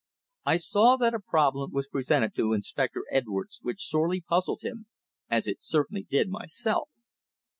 I saw that a problem was presented to Inspector Edwards which sorely puzzled him, as it certainly did myself.